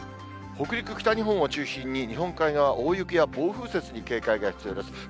北陸、北日本を中心に、日本海側、大雪や暴風雪に警戒が必要です。